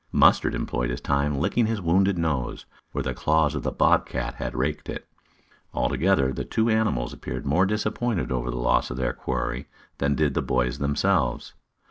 Mustard employed his time in licking his wounded nose, where the claws of the bob cat had raked it. Altogether the two animals appeared more disappointed over the loss of their quarry than did the boys themselves.